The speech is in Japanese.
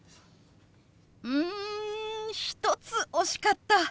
うん１つ惜しかった！